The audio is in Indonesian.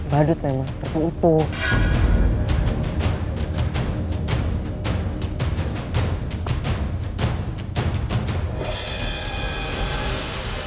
badut memang tertutup